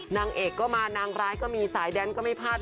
นางเอกก็มานางร้ายก็มีสายแดนก็ไม่พลาด